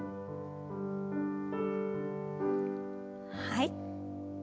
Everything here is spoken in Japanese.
はい。